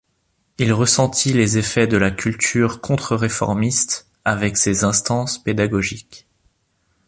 Il ressentit les effets de la culture contre-réformiste avec ses instances pédagogiques.